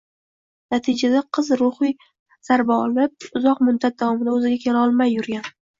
natijada qiz kuchli ruhiy zarba olib, uzoq muddat davomida o‘ziga kela olmay yurgan.